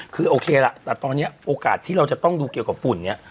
คือโอเคล่ะแต่ตอนนี้โอกาสที่เราจะต้องดูเกี่ยวกับฝุ่นเนี่ย